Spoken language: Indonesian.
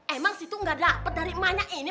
emang si itu gak dapet dari emahnya ini